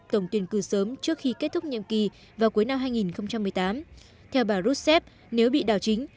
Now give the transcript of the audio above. tổng tuyển cử sớm trước khi kết thúc nhiệm kỳ vào cuối năm hai nghìn một mươi tám theo bà ruscef nếu bị đảo chính